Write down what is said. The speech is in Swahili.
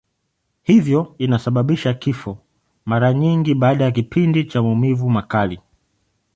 Hivyo inasababisha kifo, mara nyingi baada ya kipindi cha maumivu makali.